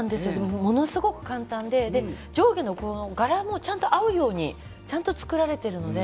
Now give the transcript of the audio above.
ものすごく簡単で上下の柄もちゃんと合うように作られているので